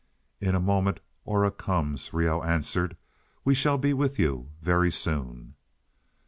"In a moment Aura comes," Reoh answered. "We shall be with you very soon."